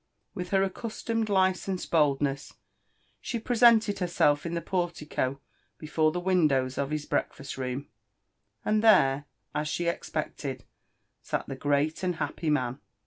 With her accustomed licensed boldness, she presented herself in the portico before the windows of his breakfast room; and there, as ^e expected, sat the great and happy man.